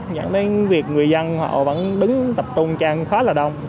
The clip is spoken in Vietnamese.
dẫn đến việc người dân họ vẫn đứng tập trung trang khá là đông